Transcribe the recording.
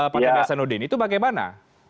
pak t b s nuri itu bagaimana